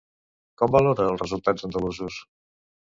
Com valora els resultats andalusos?